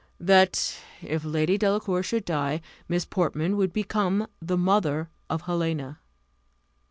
"That if Lady Delacour should die, Miss Portman would become the mother of Helena!"